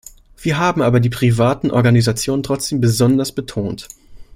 Wir haben aber die privaten Organisationen trotzdem besonders betont.